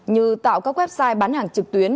như tạo các website bán hàng trực tuyến